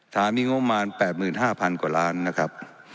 ทหารมีงบมาน๘๕๐๐๐กว่าล้านนะครับ